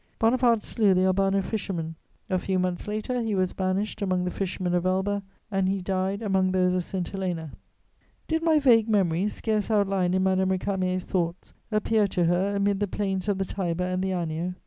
Bonaparte slew the Albano fisherman; a few months later, he was banished among the fishermen of Elba, and he died among those of St. Helena. Did my vague memory, scarce outlined in Madame Récamier's thoughts, appear to her amid the plains of the Tiber and the Anio?